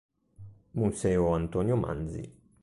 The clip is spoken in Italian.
Museo Antonio Manzi.